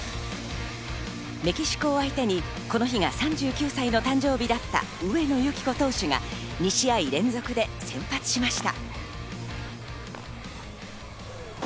メキシコを相手にこの日が３９歳の誕生日だった上野由岐子投手が２試合連続で先発しました。